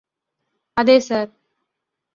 അതെ സർ